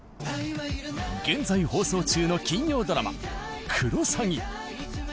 現在放送中の金曜ドラマ「クロサギ」